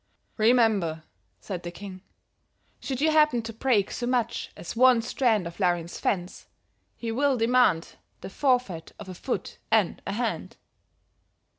"'Remember,' said the king, 'should you happen to break so much as one strand of Laurin's fence, he will demand the forfeit of a foot and a hand.'